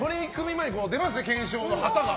前、出ますね、懸賞の旗が。